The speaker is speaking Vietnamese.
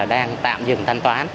đang tạm dừng thanh toán